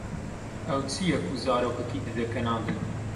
Ew çi ye ku zarokekî dide kenandin?